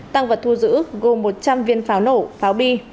tăng vật thu giữ gồm một trăm linh viên pháo nổ pháo bi